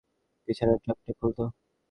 পিছনের ট্রাংকটা খোল তো।